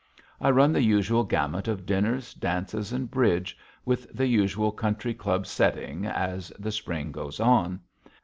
I run the usual gamut of dinners, dances, and bridge, with the usual country club setting as the spring goes on.